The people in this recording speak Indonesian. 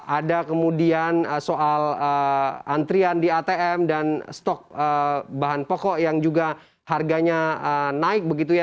ada kemudian soal antrian di atm dan stok bahan pokok yang juga harganya naik begitu ya